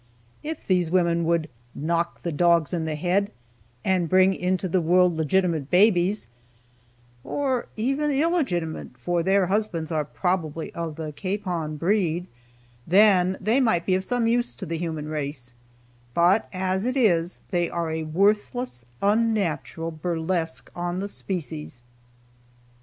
If these women would knock the dogs in the head and bring into the world legitimate babies, (or even illegitimate, for their husbands are probably of the capon breed,) then they might be of some use to the human race; as it is they are a worthless, unnatural burlesque on the species.